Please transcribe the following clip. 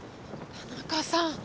田中さん！